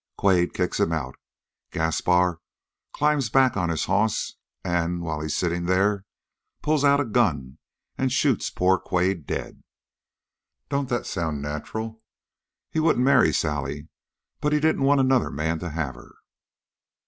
Quade kicks him out. Gaspar climbs back on his hoss and, while he's sitting there, pulls out a gun and shoots poor Quade dead. Don't that sound nacheral? He wouldn't marry Sally, but he didn't want another man to have her.